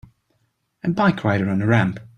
A bike rider on a ramp.